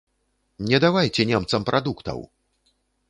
Не давайце немцам прадуктаў!